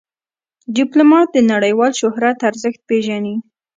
ډيپلومات د نړیوال شهرت ارزښت پېژني.